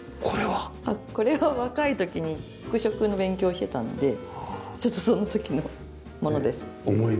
これは若い時に服飾の勉強をしてたのでちょっとその時のものです。